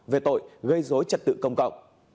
về tội gây dối trật tự công cộng